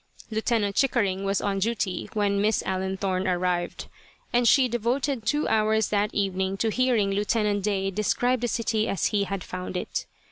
Lieutenant Chickering was on duty when Miss Allenthorne arrived, and she devoted two hours that evening to hearing Lieutenant Day describe the city as he had found it.